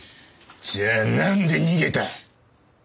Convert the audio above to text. じゃあなんで逃げた？